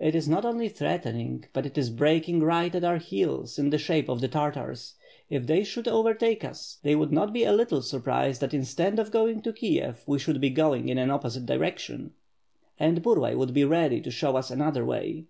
"It is not only threatening, but it is breaking right at our heels in the shape of the Tartars; if they should over take us, they would not be a little surprised, that instead of going to Kiev, we should be going in an opposite direction." "And Burlay would be ready to show us another way.